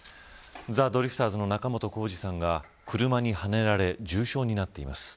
ザ・ドリフターズの仲本工事さんが車にはねられ重傷になっています。